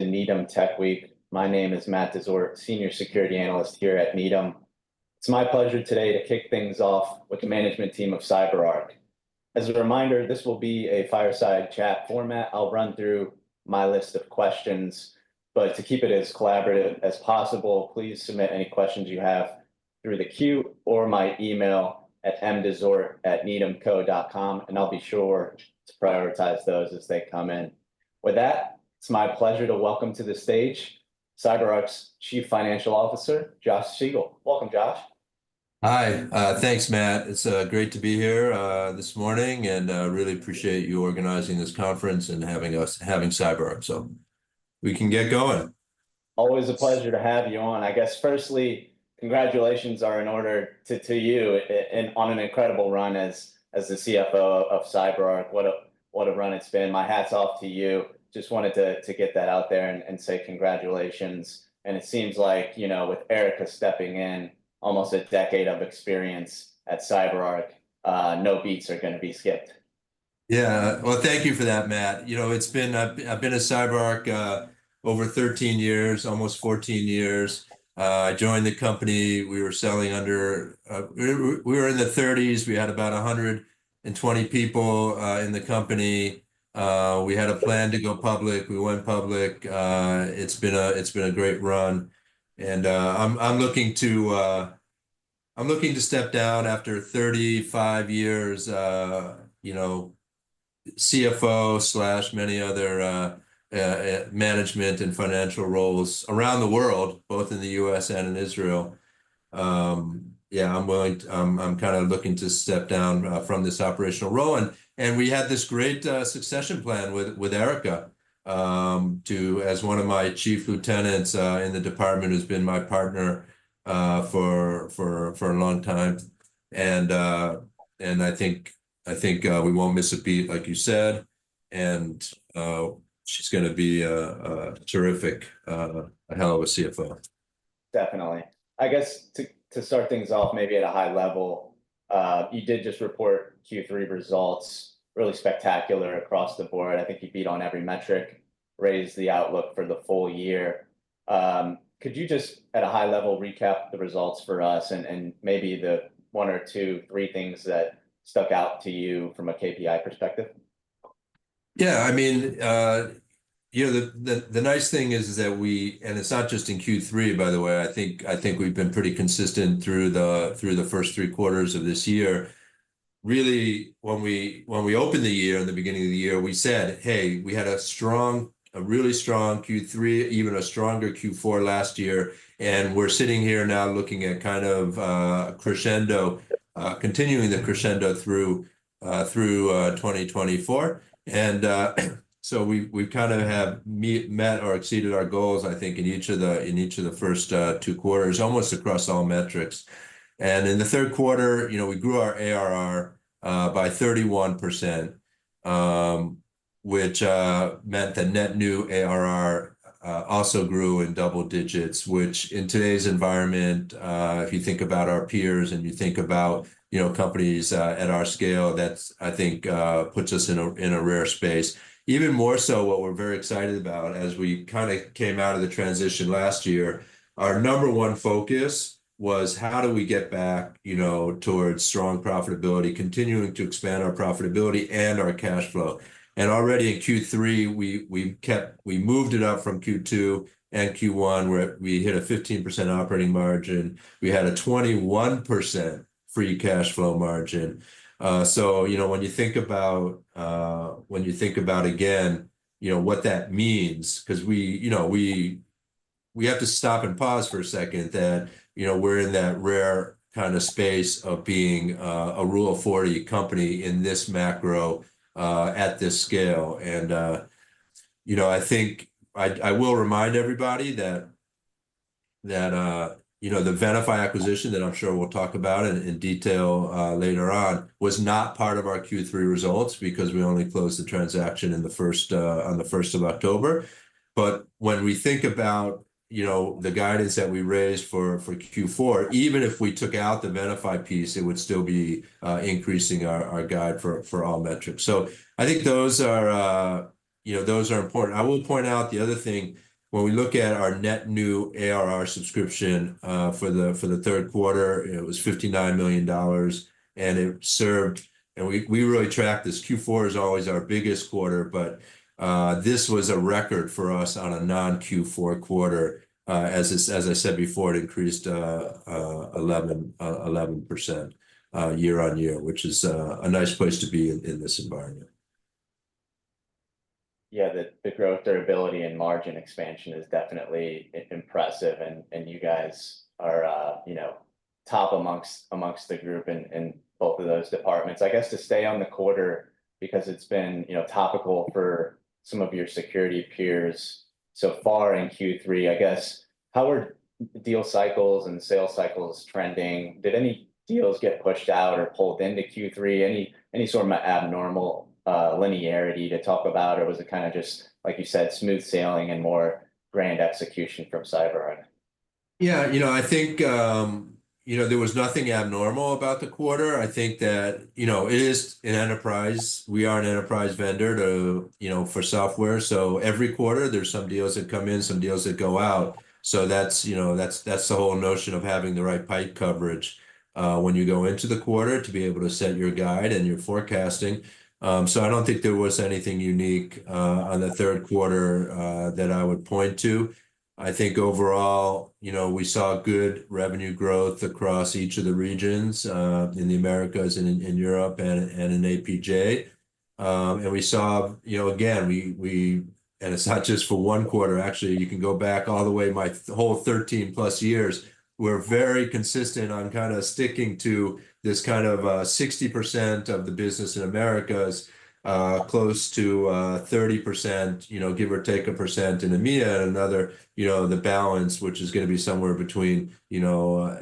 To Needham Tech Week. My name is Matt Dessort, Senior Security Analyst here at Needham. It's my pleasure today to kick things off with the management team of CyberArk. As a reminder, this will be a fireside chat format. I'll run through my list of questions, but to keep it as collaborative as possible, please submit any questions you have through the queue or my email at mdessort@needhamco.com, and I'll be sure to prioritize those as they come in. With that, it's my pleasure to welcome to the stage CyberArk's Chief Financial Officer, Josh Siegel. Welcome, Josh. Hi. Thanks, Matt. It's great to be here this morning, and I really appreciate you organizing this conference and having us having CyberArk, so we can get going. Always a pleasure to have you on. I guess, firstly, congratulations are in order to you on an incredible run as the CFO of CyberArk. What a run it's been! My hat's off to you. Just wanted to get that out there and say congratulations. And it seems like, you know, with Erica stepping in, almost a decade of experience at CyberArk, no beats are going to be skipped. Yeah. Well, thank you for that, Matt. You know, I've been at CyberArk over 13 years, almost 14 years. I joined the company. We were selling under. We were in the 30s. We had about 120 people in the company. We had a plan to go public. We went public. It's been a great run. And I'm looking to step down after 35 years, you know, CFO and many other management and financial roles around the world, both in the U.S. and in Israel. Yeah, I'm kind of looking to step down from this operational role. And we had this great succession plan with Erica, too, as one of my chief lieutenants in the department, who's been my partner for a long time. And I think we won't miss a beat, like you said. She's going to be terrific, a hell of a CFO. Definitely. I guess to start things off, maybe at a high level, you did just report Q3 results really spectacular across the board. I think you beat on every metric, raised the outlook for the full year. Could you just, at a high level, recap the results for us and maybe the one or two, three things that stuck out to you from a KPI perspective? Yeah. I mean, you know, the nice thing is that we, and it's not just in Q3, by the way. I think we've been pretty consistent through the first three quarters of this year. Really, when we opened the year in the beginning of the year, we said, hey, we had a strong, a really strong Q3, even a stronger Q4 last year. And we're sitting here now looking at kind of a crescendo, continuing the crescendo through 2024. And so we've kind of met or exceeded our goals, I think, in each of the first two quarters, almost across all metrics. In the third quarter, you know, we grew our ARR by 31%, which meant the net new ARR also grew in double digits, which in today's environment, if you think about our peers and you think about, you know, companies at our scale, that's, I think, puts us in a rare space. Even more so, what we're very excited about as we kind of came out of the transition last year, our number one focus was how do we get back, you know, towards strong profitability, continuing to expand our profitability and our cash flow. Already in Q3, we moved it up from Q2 and Q1, where we hit a 15% operating margin. We had a 21% free cash flow margin. So, you know, when you think about, again, you know, what that means, because we, you know, we have to stop and pause for a second that, you know, we're in that rare kind of space of being a Rule of 40 company in this macro at this scale. And, you know, I think I will remind everybody that, you know, the Venafi acquisition that I'm sure we'll talk about in detail later on was not part of our Q3 results because we only closed the transaction on the 1st of October. But when we think about, you know, the guidance that we raised for Q4, even if we took out the Venafi piece, it would still be increasing our guide for all metrics. So I think those are, you know, important. I will point out the other thing. When we look at our net new ARR subscription for the third quarter, it was $59 million, and it served and we really track this. Q4 is always our biggest quarter, but this was a record for us on a non-Q4 quarter. As I said before, it increased 11% year on year, which is a nice place to be in this environment. Yeah, the growth, durability, and margin expansion is definitely impressive, and you guys are, you know, top amongst the group in both of those departments. I guess to stay on the quarter, because it's been, you know, topical for some of your security peers so far in Q3, I guess, how were deal cycles and sales cycles trending? Did any deals get pushed out or pulled into Q3? Any sort of abnormal linearity to talk about? Or was it kind of just, like you said, smooth sailing and more grand execution from CyberArk? Yeah, you know, I think, you know, there was nothing abnormal about the quarter. I think that, you know, it is an enterprise. We are an enterprise vendor to, you know, for software. So every quarter, there's some deals that come in, some deals that go out. So that's, you know, that's the whole notion of having the right pipe coverage when you go into the quarter to be able to set your guide and your forecasting. So I don't think there was anything unique on the third quarter that I would point to. I think overall, you know, we saw good revenue growth across each of the regions in the Americas and in Europe and in APJ. And we saw, you know, again, we and it's not just for one quarter. Actually, you can go back all the way my whole 13-plus years. We're very consistent on kind of sticking to this kind of 60% of the business in Americas, close to 30%, you know, give or take a percent in EMEA and another, you know, the balance, which is going to be somewhere between, you know,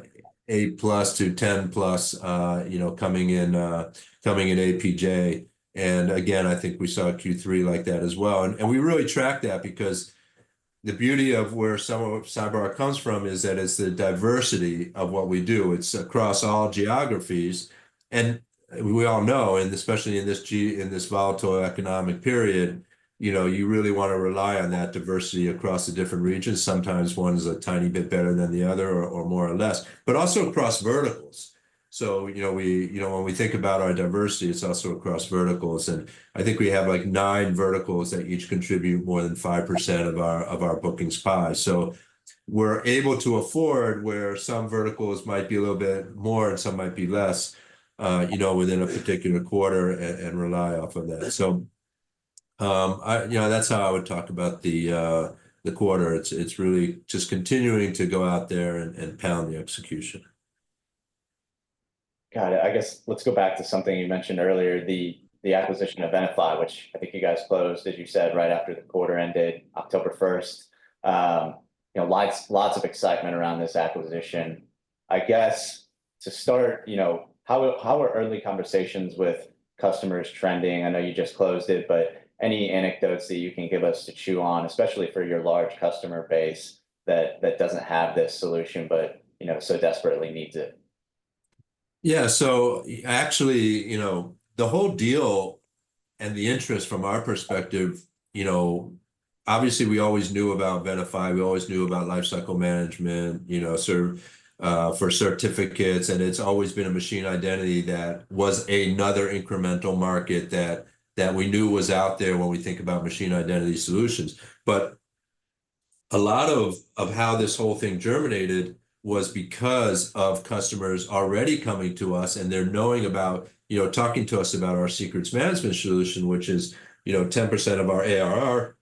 8%-10%, you know, coming in APJ. Again, I think we saw Q3 like that as well. We really track that because the beauty of where some of CyberArk comes from is that it's the diversity of what we do. It's across all geographies. We all know, and especially in this volatile economic period, you know, you really want to rely on that diversity across the different regions. Sometimes one is a tiny bit better than the other or more or less, but also across verticals. So, you know, when we think about our diversity, it's also across verticals. I think we have like nine verticals that each contribute more than 5% of our bookings pie. So we're able to afford where some verticals might be a little bit more and some might be less, you know, within a particular quarter and rely off of that. So, you know, that's how I would talk about the quarter. It's really just continuing to go out there and pound the execution. Got it. I guess let's go back to something you mentioned earlier, the acquisition of Venafi, which I think you guys closed, as you said, right after the quarter ended, October 1st. You know, lots of excitement around this acquisition. I guess to start, you know, how are early conversations with customers trending? I know you just closed it, but any anecdotes that you can give us to chew on, especially for your large customer base that doesn't have this solution but, you know, so desperately needs it? Yeah. So actually, you know, the whole deal and the interest from our perspective, you know, obviously we always knew about Venafi. We always knew about lifecycle management, you know, for certificates. And it's always been a machine identity that was another incremental market that we knew was out there when we think about machine identity solutions. But a lot of how this whole thing germinated was because of customers already coming to us and they're knowing about, you know, talking to us about our secrets management solution, which is, you know, 10% of our ARR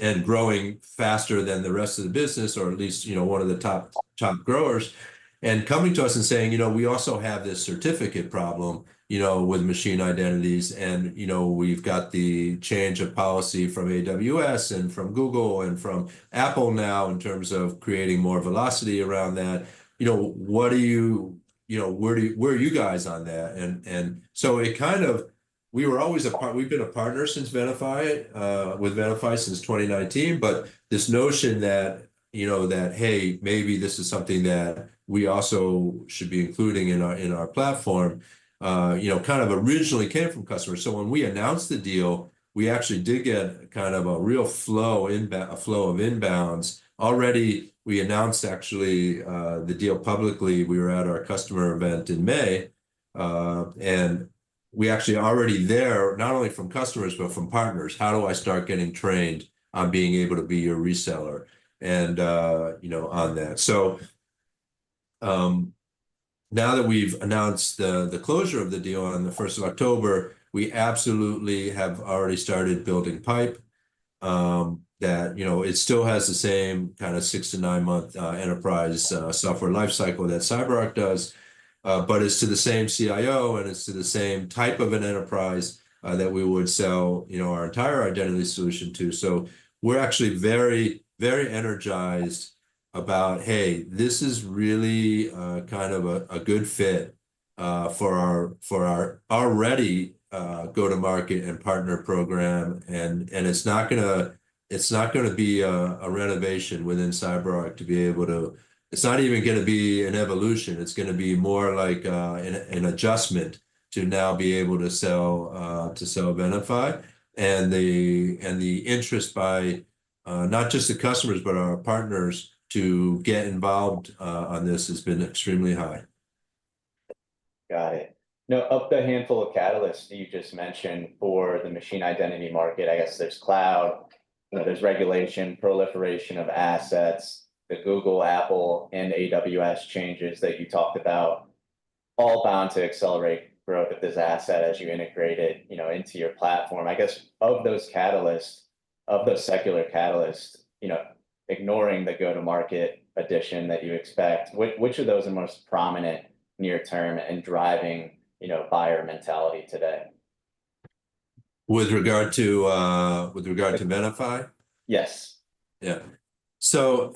and growing faster than the rest of the business, or at least, you know, one of the top growers, and coming to us and saying, you know, we also have this certificate problem, you know, with machine identities. You know, we've got the change of policy from AWS and from Google and from Apple now in terms of creating more velocity around that. You know, what are you, you know, where are you guys on that? So it kind of, we were always a part. We've been a partner with Venafi since 2019. But this notion that, you know, hey, maybe this is something that we also should be including in our platform, you know, kind of originally came from customers. So when we announced the deal, we actually did get kind of a real flow of inbounds. Already, we announced actually the deal publicly. We were at our customer event in May. And we actually already there, not only from customers, but from partners, how do I start getting trained on being able to be your reseller and, you know, on that. So now that we've announced the closure of the deal on the 1st of October, we absolutely have already started building pipe that, you know, it still has the same kind of six- to nine-month enterprise software lifecycle that CyberArk does, but it's to the same CIO and it's to the same type of an enterprise that we would sell, you know, our entire identity solution to. So we're actually very, very energized about, hey, this is really kind of a good fit for our already go-to-market and partner program. And it's not going to be a renovation within CyberArk to be able to sell. It's not even going to be an evolution. It's going to be more like an adjustment to now be able to sell Venafi. The interest by not just the customers, but our partners to get involved on this has been extremely high. Got it. Now, of the handful of catalysts that you just mentioned for the machine identity market, I guess there's cloud, there's regulation, proliferation of assets, the Google, Apple, and AWS changes that you talked about, all bound to accelerate growth of this asset as you integrate it, you know, into your platform. I guess of those catalysts, of those secular catalysts, you know, ignoring the go-to-market addition that you expect, which of those are most prominent near-term and driving, you know, buyer mentality today? With regard to Venafi? Yes. Yeah. So,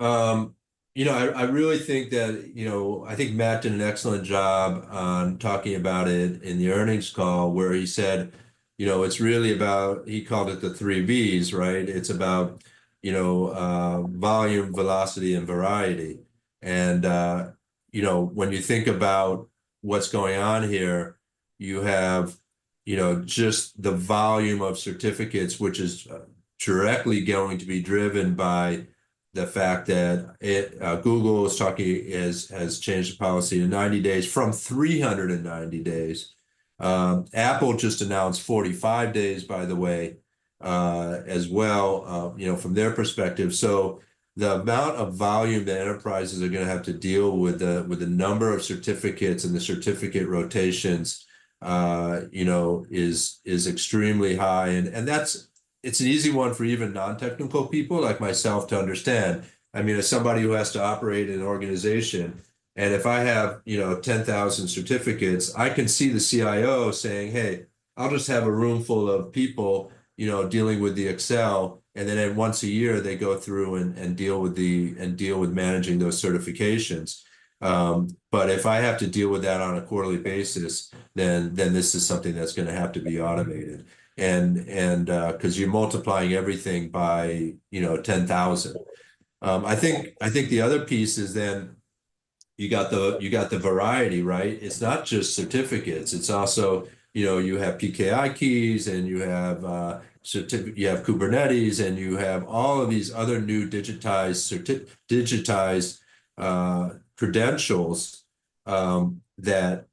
you know, I really think that, you know, I think Matt did an excellent job on talking about it in the earnings call, where he said, you know, it's really about he called it the three V's, right? It's about, you know, volume, velocity, and variety. And, you know, when you think about what's going on here, you have, you know, just the volume of certificates, which is directly going to be driven by the fact that Google has changed the policy to 90 days from 390 days. Apple just announced 45 days, by the way, as well, you know, from their perspective. So the amount of volume that enterprises are going to have to deal with, the number of certificates and the certificate rotations, you know, is extremely high. And that's, it's an easy one for even non-technical people like myself to understand. I mean, as somebody who has to operate an organization, and if I have, you know, 10,000 certificates, I can see the CIO saying, hey, I'll just have a room full of people, you know, dealing with the Excel. And then once a year, they go through and deal with managing those certificates. But if I have to deal with that on a quarterly basis, then this is something that's going to have to be automated. And because you're multiplying everything by, you know, 10,000. I think the other piece is then you got the variety, right? It's not just certificates. It's also, you know, you have PKI keys and you have Kubernetes and you have all of these other new digitized credentials that,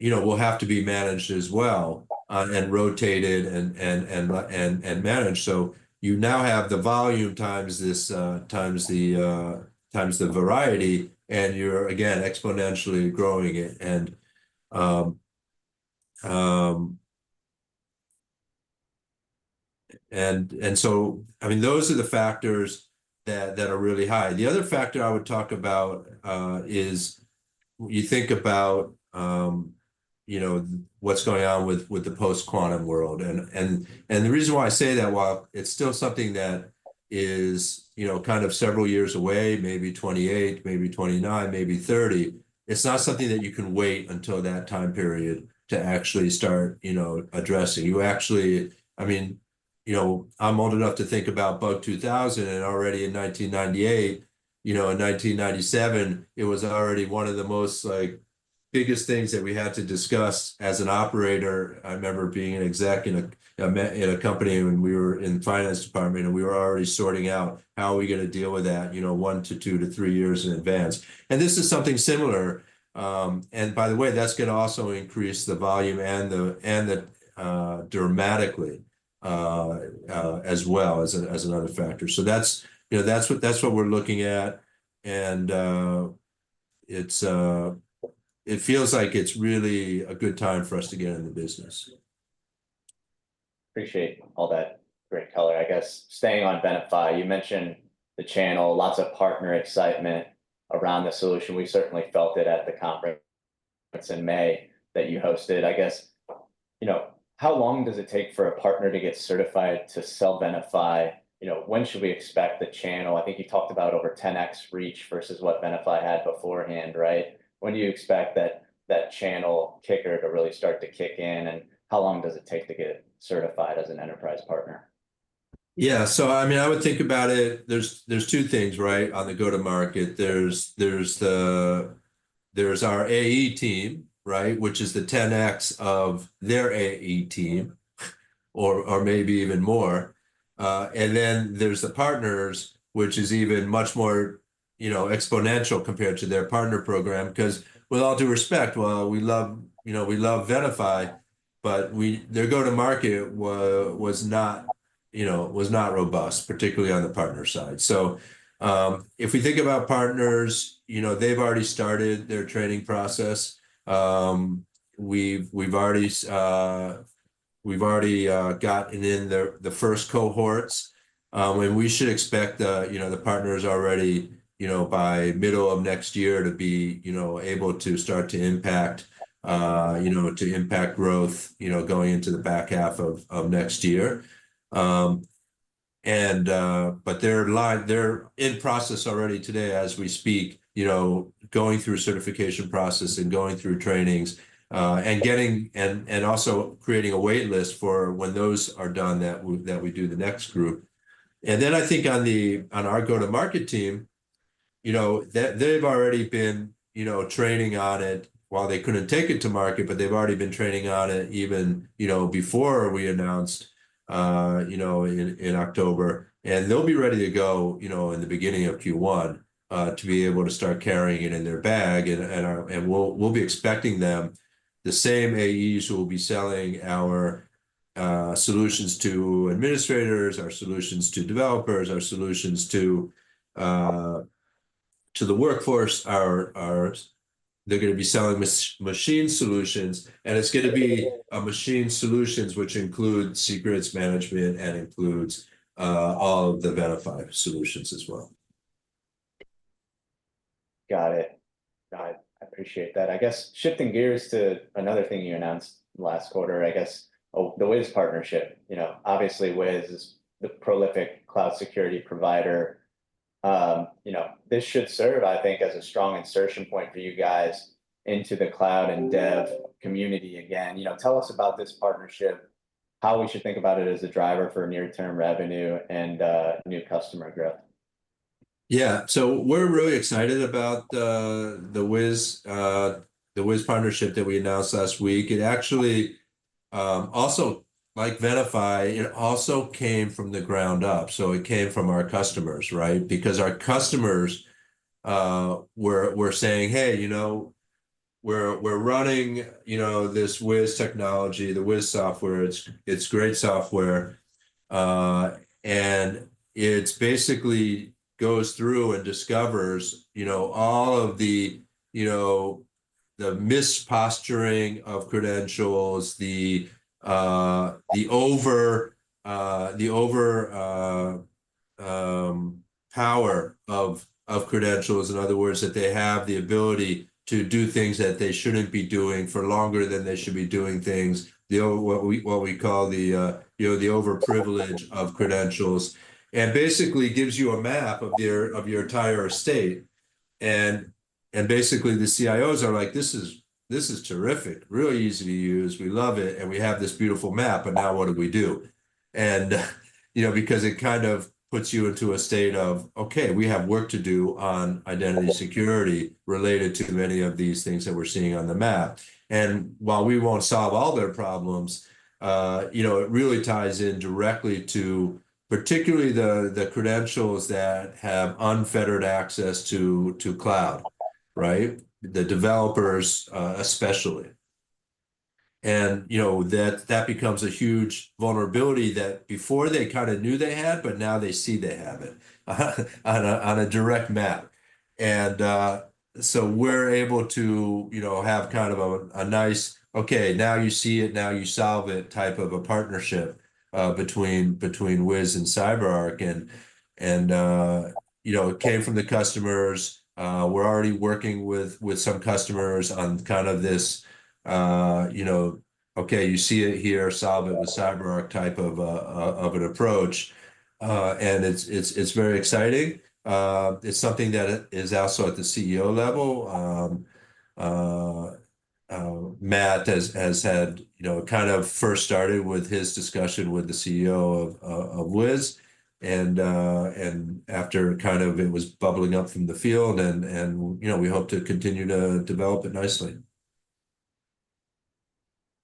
you know, will have to be managed as well and rotated and managed. So you now have the volume times this times the variety, and you're, again, exponentially growing it. And so, I mean, those are the factors that are really high. The other factor I would talk about is you think about, you know, what's going on with the post-quantum world. And the reason why I say that, while it's still something that is, you know, kind of several years away, maybe 2028, maybe 2029, maybe 2030, it's not something that you can wait until that time period to actually start, you know, addressing. You actually, I mean, you know, I'm old enough to think about Bug 2000. And already in 1998, you know, in 1997, it was already one of the most, like, biggest things that we had to discuss as an operator. I remember being an exec in a company when we were in the finance department, and we were already sorting out how are we going to deal with that, you know, one to two to three years in advance, and this is something similar, and by the way, that's going to also increase the volume and the velocity dramatically as well as another factor, so that's, you know, that's what we're looking at, and it feels like it's really a good time for us to get in the business. Appreciate all that great color. I guess staying on Venafi, you mentioned the channel, lots of partner excitement around the solution. We certainly felt it at the conference in May that you hosted. I guess, you know, how long does it take for a partner to get certified to sell Venafi? You know, when should we expect the channel? I think you talked about over 10x reach versus what Venafi had beforehand, right? When do you expect that channel kicker to really start to kick in? And how long does it take to get certified as an enterprise partner? Yeah. So, I mean, I would think about it. There's two things, right, on the go-to-market. There's our AE team, right, which is the 10x of their AE team or maybe even more. And then there's the partners, which is even much more, you know, exponential compared to their partner program. Because with all due respect, while we love, you know, we love Venafi, but their go-to-market was not, you know, was not robust, particularly on the partner side. So if we think about partners, you know, they've already started their training process. We've already gotten in the first cohorts. And we should expect, you know, the partners already, you know, by middle of next year to be, you know, able to start to impact, you know, to impact growth, you know, going into the back half of next year. They're in process already today as we speak, you know, going through certification process and going through trainings and getting and also creating a waitlist for when those are done that we do the next group. And then I think on our go-to-market team, you know, they've already been, you know, training on it while they couldn't take it to market, but they've already been training on it even, you know, before we announced, you know, in October. And they'll be ready to go, you know, in the beginning of Q1 to be able to start carrying it in their bag. And we'll be expecting them the same AEs who will be selling our solutions to administrators, our solutions to developers, our solutions to the workforce. They're going to be selling machine solutions. It's going to be machine solutions, which includes secrets management and includes all of the Venafi solutions as well. Got it. Got it. I appreciate that. I guess shifting gears to another thing you announced last quarter, I guess, the Wiz partnership. You know, obviously, Wiz is the prolific cloud security provider. You know, this should serve, I think, as a strong insertion point for you guys into the cloud and dev community again. You know, tell us about this partnership, how we should think about it as a driver for near-term revenue and new customer growth. Yeah, so we're really excited about the Wiz partnership that we announced last week. It actually also, like Venafi, it also came from the ground up, so it came from our customers, right? Because our customers were saying, hey, you know, we're running, you know, this Wiz technology, the Wiz software. It's great software, and it basically goes through and discovers, you know, all of the, you know, the misposturing of credentials, the overpower of credentials. In other words, that they have the ability to do things that they shouldn't be doing for longer than they should be doing things, what we call the, you know, the overprivilege of credentials, and basically gives you a map of your entire estate, and basically, the CIOs are like, this is terrific, really easy to use. We love it, and we have this beautiful map, but now what do we do? And, you know, because it kind of puts you into a state of, okay, we have work to do on identity security related to many of these things that we're seeing on the map. And while we won't solve all their problems, you know, it really ties in directly to particularly the credentials that have unfettered access to cloud, right? The developers, especially. And, you know, that becomes a huge vulnerability that before they kind of knew they had, but now they see they have it on a direct map. And so we're able to, you know, have kind of a nice, okay, now you see it, now you solve it type of a partnership between Wiz and CyberArk. And, you know, it came from the customers. We're already working with some customers on kind of this, you know, okay, you see it here, solve it with CyberArk type of an approach. And it's very exciting. It's something that is also at the CEO level. Matt has had, you know, kind of first started with his discussion with the CEO of Wiz. And after kind of it was bubbling up from the field, and, you know, we hope to continue to develop it nicely.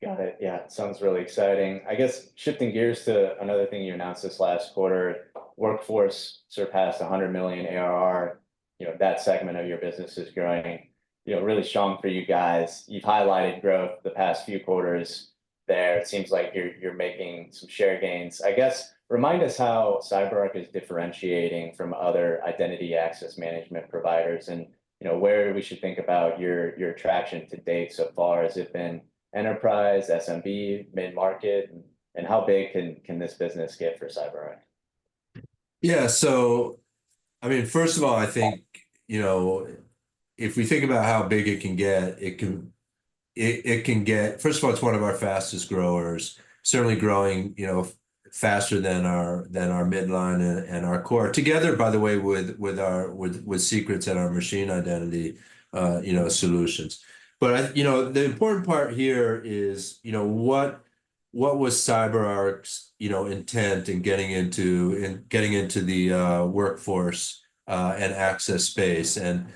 Got it. Yeah. Sounds really exciting. I guess shifting gears to another thing you announced this last quarter, Workforce surpassed $100 million ARR. You know, that segment of your business is growing, you know, really strong for you guys. You've highlighted growth the past few quarters there. It seems like you're making some share gains. I guess remind us how CyberArk is differentiating from other identity access management providers and, you know, where we should think about your traction to date so far. Has it been enterprise, SMB, mid-market, and how big can this business get for CyberArk? Yeah. So, I mean, first of all, I think, you know, if we think about how big it can get, it can get, first of all, it's one of our fastest growers, certainly growing, you know, faster than our midline and our core, together, by the way, with secrets and our machine identity, you know, solutions. But you know, the important part here is, you know, what was CyberArk's, you know, intent in getting into the workforce and access space? And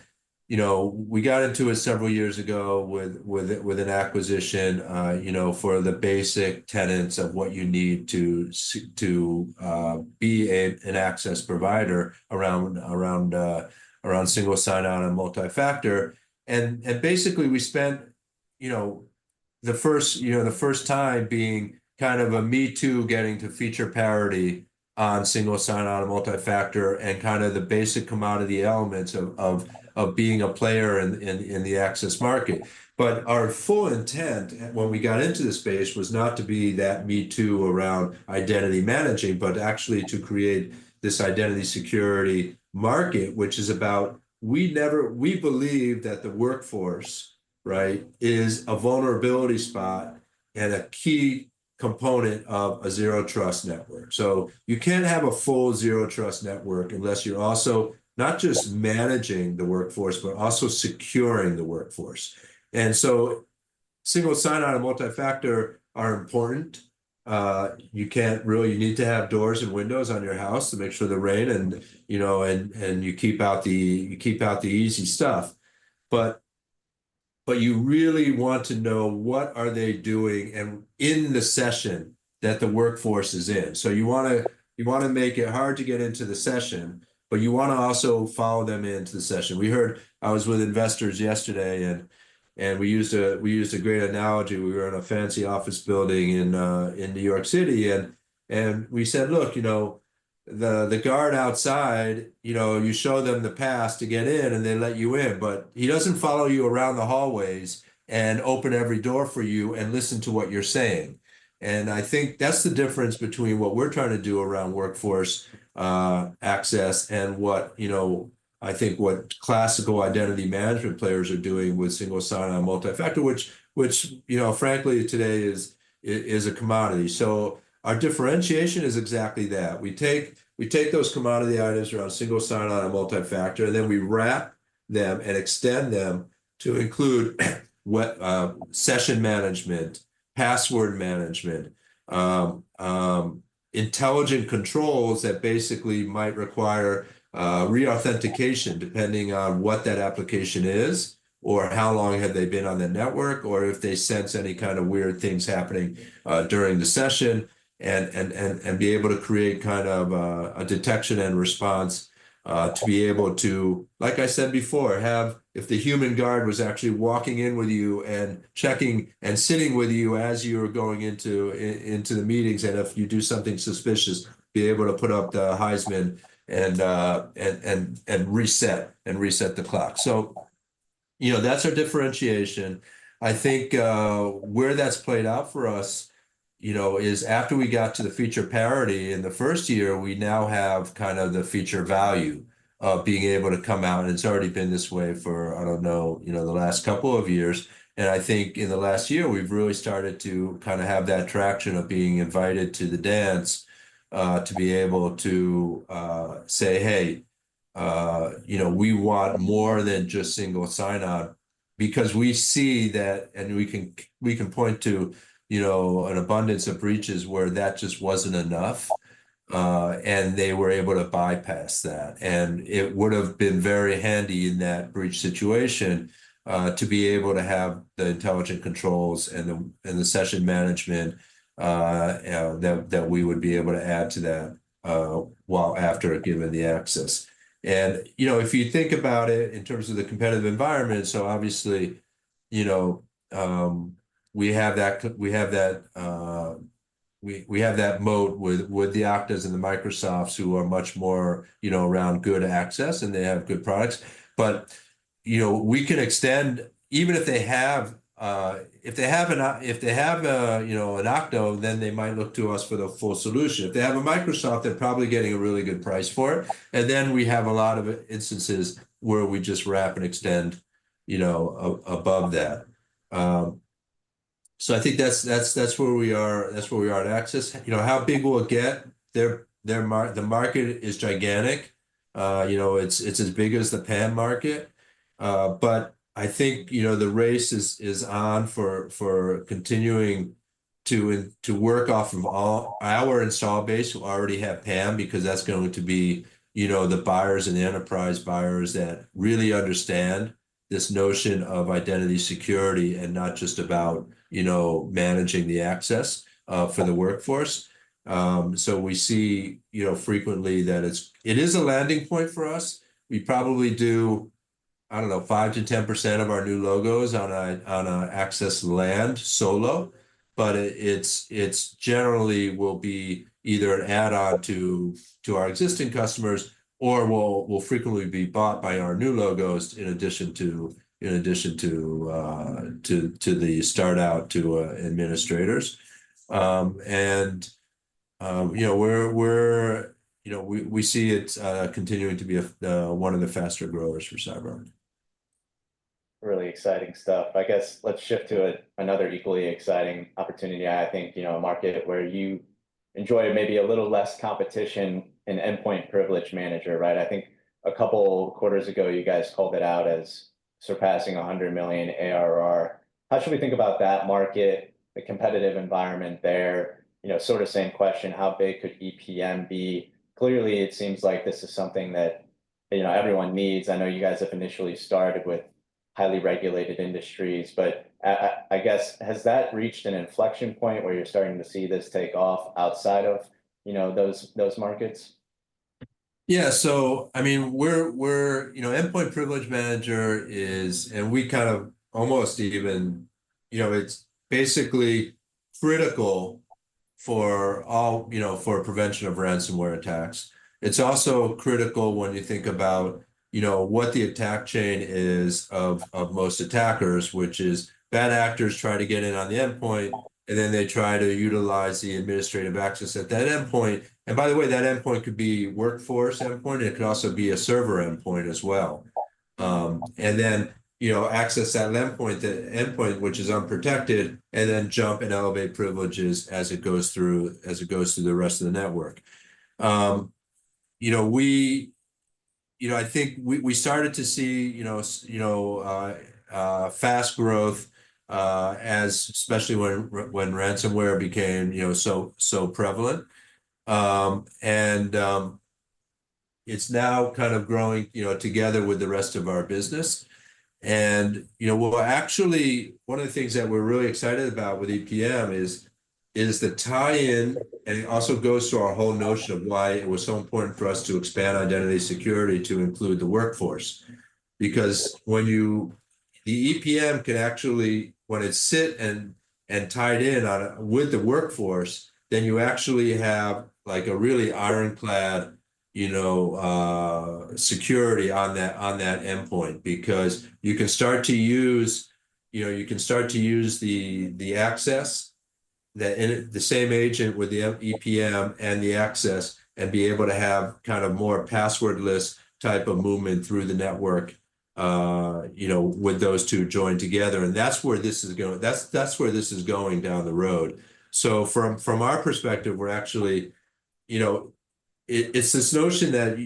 you know, we got into it several years ago with an acquisition, you know, for the basic tenets of what you need to be an access provider around single sign-on and multifactor. And basically, we spent, you know, the first, you know, the first time being kind of a me too getting to feature parity on single sign-on and multifactor and kind of the basic commodity elements of being a player in the access market. But our full intent when we got into this space was not to be that me too around identity managing, but actually to create this Identity Security market, which is about we believe that the workforce, right, is a vulnerability spot and a key component of a Zero Trust network. So you can't have a full Zero Trust network unless you're also not just managing the workforce, but also securing the workforce. And so single sign-on and multifactor are important. You can't really. You need to have doors and windows on your house to make sure the rain and, you know, and you keep out the easy stuff, but you really want to know what are they doing in the session that the workforce is in, so you want to make it hard to get into the session, but you want to also follow them into the session. I was with investors yesterday, and we used a great analogy. We were in a fancy office building in New York City, and we said, look, you know, the guard outside, you know, you show them the pass to get in, and they let you in, but he doesn't follow you around the hallways and open every door for you and listen to what you're saying. I think that's the difference between what we're trying to do around workforce access and what, you know, I think what classical identity management players are doing with single sign-on and multifactor, which, you know, frankly, today is a commodity. Our differentiation is exactly that. We take those commodity items around single sign-on and multifactor, and then we wrap them and extend them to include session management, password management, intelligent controls that basically might require reauthentication depending on what that application is or how long have they been on the network or if they sense any kind of weird things happening during the session and be able to create kind of a detection and response to be able to, like I said before, have if the human guard was actually walking in with you and checking and sitting with you as you were going into the meetings. If you do something suspicious, be able to put up the Heisman and reset the clock. You know, that's our differentiation. I think where that's played out for us, you know, is after we got to the feature parity in the first year, we now have kind of the feature value of being able to come out. It's already been this way for, I don't know, you know, the last couple of years. I think in the last year, we've really started to kind of have that traction of being invited to the dance to be able to say, hey, you know, we want more than just single sign-on because we see that, and we can point to, you know, an abundance of breaches where that just wasn't enough. They were able to bypass that. It would have been very handy in that breach situation to be able to have the intelligent controls and the session management that we would be able to add to that while after given the access. You know, if you think about it in terms of the competitive environment, so obviously, you know, we have that mode with the Okta's and the Microsofts who are much more, you know, around good access and they have good products. But, you know, we can extend even if they have an Okta, then they might look to us for the full solution. If they have a Microsoft, they're probably getting a really good price for it. And then we have a lot of instances where we just wrap and extend, you know, above that. So I think that's where we are at access. You know, how big will it get? The market is gigantic. You know, it's as big as the PAM market, but I think, you know, the race is on for continuing to work off of our install base who already have PAM because that's going to be, you know, the buyers and the enterprise buyers that really understand this notion of identity security and not just about, you know, managing the access for the workforce, so we see, you know, frequently that it is a landing point for us. We probably do, I don't know, 5%-10% of our new logos on an access land solo, but it generally will be either an add-on to our existing customers or will frequently be bought by our new logos in addition to the start-out to administrators. You know, we see it continuing to be one of the faster growers for CyberArk. Really exciting stuff. I guess let's shift to another equally exciting opportunity. I think, you know, a market where you enjoy maybe a little less competition and Endpoint Privilege Manager, right? I think a couple quarters ago, you guys called it out as surpassing $100 million ARR. How should we think about that market, the competitive environment there? You know, sort of same question, how big could EPM be? Clearly, it seems like this is something that, you know, everyone needs. I know you guys have initially started with highly regulated industries, but I guess has that reached an inflection point where you're starting to see this take off outside of, you know, those markets? Yeah. So, I mean, we're, you know, Endpoint Privilege Manager is, and we kind of almost even, you know, it's basically critical for all, you know, for prevention of ransomware attacks. It's also critical when you think about, you know, what the attack chain is of most attackers, which is bad actors trying to get in on the endpoint, and then they try to utilize the administrative access at that endpoint. And by the way, that endpoint could be workforce endpoint. It could also be a server endpoint as well. And then, you know, access that endpoint, which is unprotected, and then jump and elevate privileges as it goes through the rest of the network. You know, we, you know, I think we started to see, you know, fast growth, especially when ransomware became, you know, so prevalent. And it's now kind of growing, you know, together with the rest of our business. And, you know, well, actually, one of the things that we're really excited about with EPM is the tie-in, and it also goes to our whole notion of why it was so important for us to expand identity security to include the workforce. Because when you the EPM can actually, when it's sit and tied in with the workforce, then you actually have like a really ironclad, you know, security on that endpoint because you can start to use, you know, you can start to use the access, the same agent with the EPM and the access, and be able to have kind of more passwordless type of movement through the network, you know, with those two joined together. And that's where this is going that's where this is going down the road. So, from our perspective, we're actually, you know, it's this notion that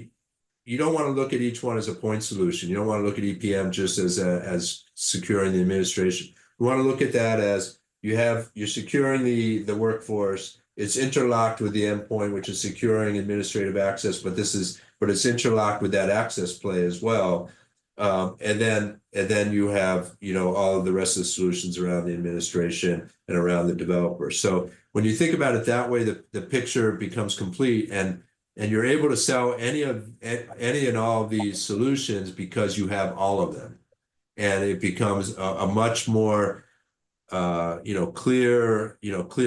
you don't want to look at each one as a point solution. You don't want to look at EPM just as securing the administration. We want to look at that as you have you're securing the workforce. It's interlocked with the endpoint, which is securing administrative access, but it's interlocked with that access play as well. And then you have, you know, all of the rest of the solutions around the administration and around the developers. So when you think about it that way, the picture becomes complete, and you're able to sell any and all of these solutions because you have all of them. And it becomes a much more, you know, clear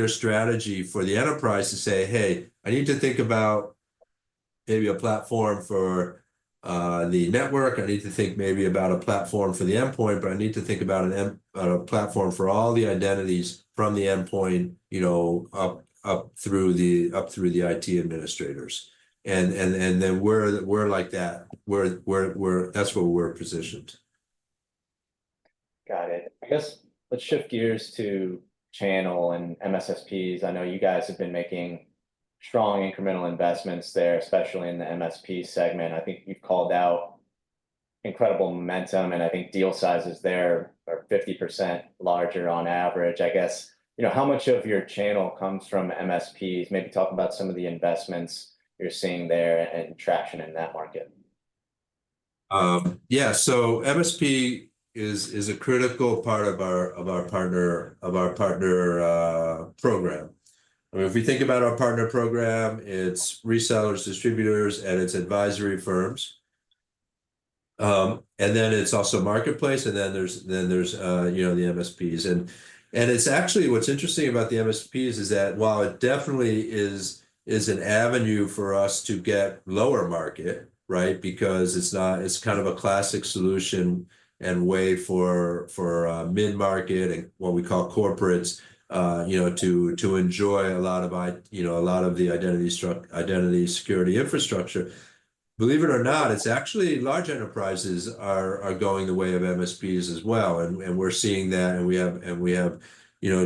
strategy for the enterprise to say, hey, I need to think about maybe a platform for the network. I need to think maybe about a platform for the endpoint, but I need to think about a platform for all the identities from the endpoint, you know, up through the IT administrators, and then we're like that. That's where we're positioned. Got it. I guess let's shift gears to channel and MSSPs. I know you guys have been making strong incremental investments there, especially in the MSP segment. I think you've called out incredible momentum, and I think deal sizes there are 50% larger on average. I guess, you know, how much of your channel comes from MSPs? Maybe talk about some of the investments you're seeing there and traction in that market. Yeah. So MSP is a critical part of our partner program. I mean, if we think about our partner program, it's resellers, distributors, and it's advisory firms. And then it's also marketplace, and then there's, you know, the MSPs. And it's actually what's interesting about the MSPs is that while it definitely is an avenue for us to get lower market, right, because it's kind of a classic solution and way for mid-market and what we call corporates, you know, to enjoy a lot of, you know, a lot of the identity security infrastructure. Believe it or not, it's actually large enterprises are going the way of MSPs as well. And we're seeing that, and we have, you know,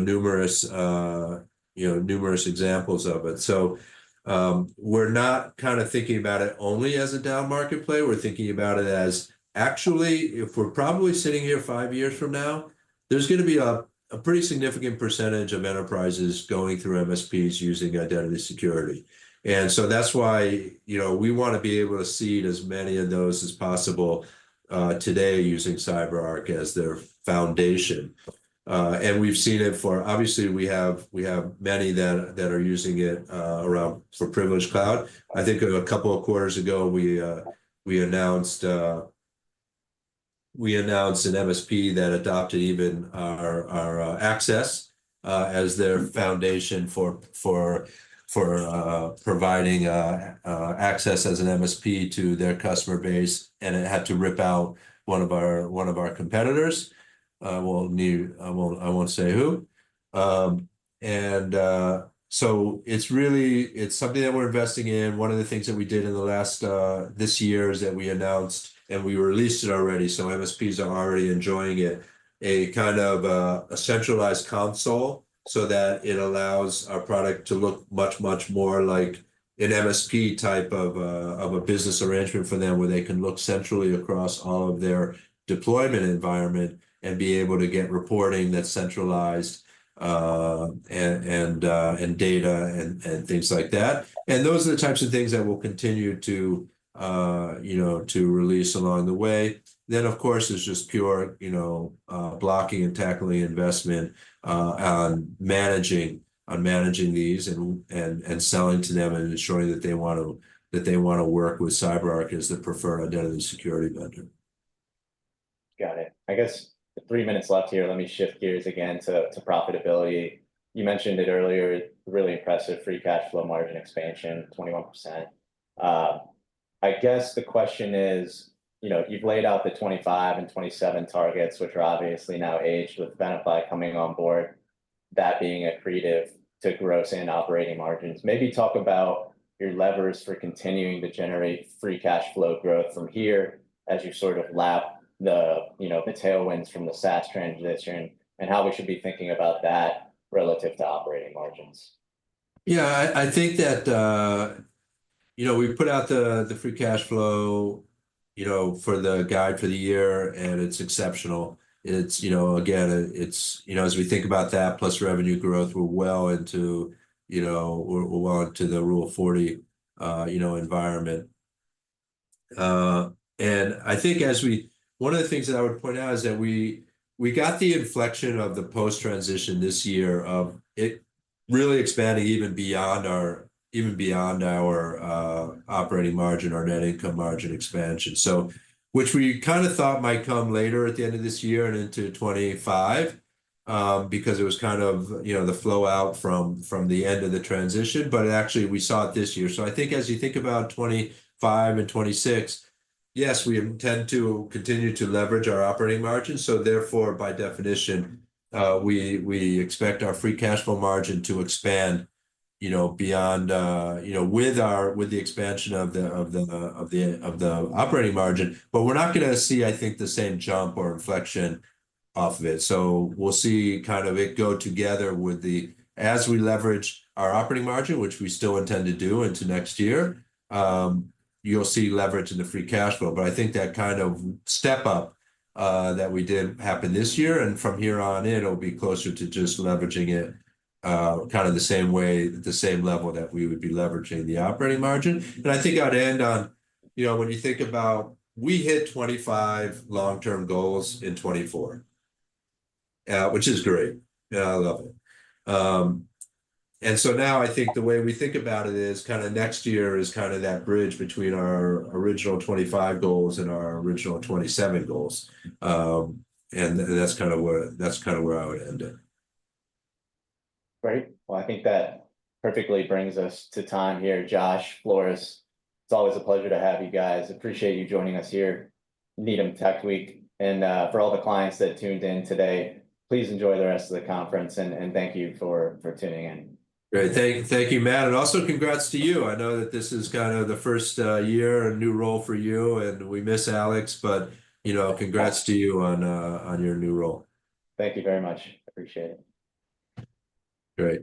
numerous examples of it. So we're not kind of thinking about it only as a down market play. We're thinking about it as actually, if we're probably sitting here five years from now, there's going to be a pretty significant percentage of enterprises going through MSPs using identity security. And so that's why, you know, we want to be able to see as many of those as possible today using CyberArk as their foundation. And we've seen it for obviously, we have many that are using it around for privileged cloud. I think a couple of quarters ago, we announced an MSP that adopted even our access as their foundation for providing access as an MSP to their customer base, and it had to rip out one of our competitors. Well, I won't say who. And so it's really, it's something that we're investing in. One of the things that we did in this year is that we announced, and we released it already, so MSPs are already enjoying it, a kind of a centralized console so that it allows our product to look much, much more like an MSP type of a business arrangement for them where they can look centrally across all of their deployment environment and be able to get reporting that's centralized and data and things like that. And those are the types of things that we'll continue to, you know, to release along the way. Then, of course, it's just pure, you know, blocking and tackling investment on managing these and selling to them and ensuring that they want to work with CyberArk as the preferred identity security vendor. Got it. I guess three minutes left here. Let me shift gears again to profitability. You mentioned it earlier, really impressive free cash flow margin expansion, 21%. I guess the question is, you know, you've laid out the 2025 and 2027 targets, which are obviously now aged with Venafi coming on board, that being accretive to gross and operating margins. Maybe talk about your levers for continuing to generate free cash flow growth from here as you sort of lap the, you know, the tailwinds from the SaaS transition and how we should be thinking about that relative to operating margins. Yeah, I think that, you know, we put out the free cash flow, you know, for the guide for the year, and it's exceptional. It's, you know, again, it's, you know, as we think about that, plus revenue growth, we're well into, you know, the Rule of 40 environment. And I think as we, one of the things that I would point out is that we got the inflection of the post-transition this year of it really expanding even beyond our operating margin, our net income margin expansion, which we kind of thought might come later at the end of this year and into 25 because it was kind of, you know, the flow out from the end of the transition, but actually we saw it this year. So I think as you think about 2025 and 2026, yes, we intend to continue to leverage our operating margin. So therefore, by definition, we expect our free cash flow margin to expand, you know, beyond, you know, with the expansion of the operating margin, but we're not going to see, I think, the same jump or inflection off of it. So we'll see kind of it go together with the, as we leverage our operating margin, which we still intend to do into next year, you'll see leverage in the free cash flow. But I think that kind of step up that we did happen this year, and from here on in, it'll be closer to just leveraging it kind of the same way, the same level that we would be leveraging the operating margin. I think I'd end on, you know, when you think about we hit 25 long-term goals in 2024, which is great. I love it. So now I think the way we think about it is kind of next year is kind of that bridge between our original 2025 goals and our original 2027 goals. That's kind of where I would end it. Great. Well, I think that perfectly brings us to time here. Josh, for us, it's always a pleasure to have you guys. Appreciate you joining us here Needham Tech Week. And for all the clients that tuned in today, please enjoy the rest of the conference, and thank you for tuning in. Great. Thank you, Matt. And also congrats to you. I know that this is kind of the first year and new role for you, and we miss Alex, but, you know, congrats to you on your new role. Thank you very much. Appreciate it. Great.